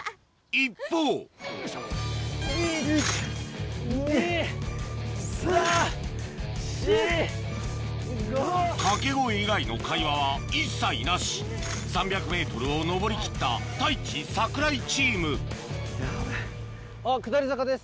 一方掛け声以外の会話は一切なし３００ｍを上り切った太一・櫻井チームヤベェ。